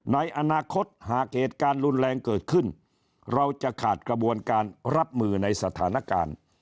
ในอนาคตหากเหตุการณ์รุนแรงเกิดขึ้นเราจะขาดกระบวนการรับมือในสถานการณ์